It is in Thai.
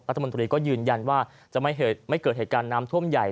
รัฐมนตรีก็ยืนยันว่าจะไม่เกิดเหตุการณ์น้ำท่วมใหญ่